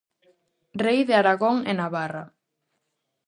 Rei de Aragón e Navarra.